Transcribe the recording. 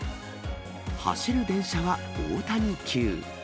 走る電車は大谷級。